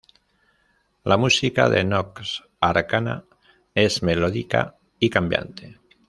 La música de Nox Arcana es melódica y cambiante.